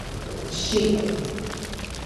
Шъибгъу.